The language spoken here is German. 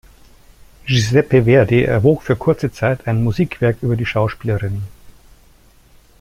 Giuseppe Verdi erwog für kurze Zeit ein Musikwerk über die Schauspielerin.